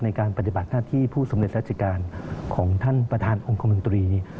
ในการปฏิบัติหน้าที่ผู้สำเร็จราชการของท่านประธานองค์คมนตรี